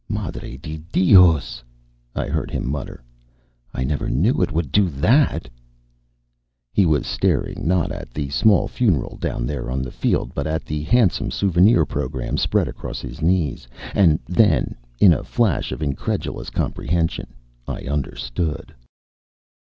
"Madre de Dios," I heard him mutter. "I never knew it would do that" He was staring, not at the small funeral down there on the field, but at the handsome souvenir pro gram spread across his knees. And then, in a flash of incredulous com prehension, I understood.